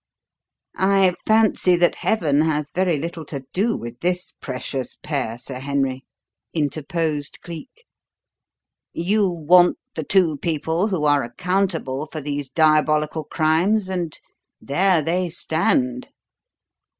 "I fancy that Heaven has very little to do with this precious pair, Sir Henry," interposed Cleek. "You want the two people who are accountable for these diabolical crimes, and there they stand."